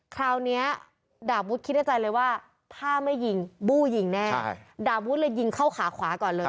คราวนี้ด่าบุ๊ธคิดใจเลยว่าถ้าไม่หยิงบู้หยิงแน่ว่ายิงเข้าขาขวาก่อนเลย